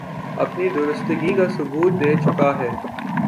اپنی درستگی کا ثبوت دے چکا ہے